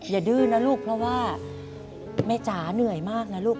ดื้อนะลูกเพราะว่าแม่จ๋าเหนื่อยมากนะลูก